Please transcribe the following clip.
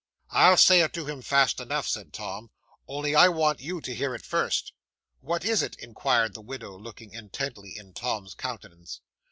'"I'll say it to him fast enough," said Tom, "only I want you to hear it first." '"What is it?" inquired the widow, looking intently in Tom's countenance.